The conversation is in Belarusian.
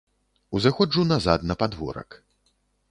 Узыходжу назад на падворак.